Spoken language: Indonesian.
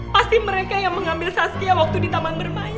pasti mereka yang mengambil saskia waktu di taman bermain